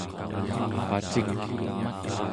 pacik